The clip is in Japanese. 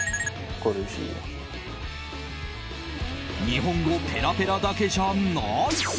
日本語ペラペラだけじゃない！